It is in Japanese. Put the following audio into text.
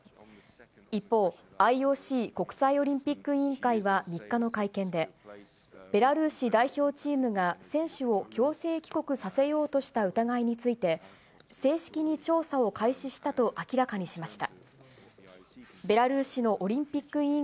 一方、ＩＯＣ・国際オリンピック委員会は３日の会見で、ベラルーシ代表チームが選手を強制帰国させようとした疑いについて、正式に調査を開始したと明らかにしました。